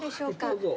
どうぞ。